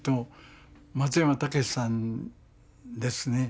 松山猛さんですね。